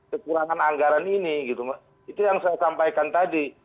kekurangan anggaran ini gitu itu yang saya sampaikan tadi